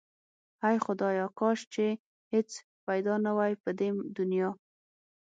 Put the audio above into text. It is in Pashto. هی خدایا کاش چې هیڅ پیدا نه واي په دی دنیا